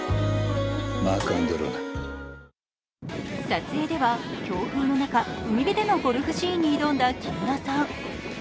撮影では、強風の中海辺でのゴルフシーンに挑んだ木村さん。